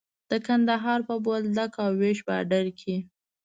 د کندهار په بولدک او ويش باډر کې.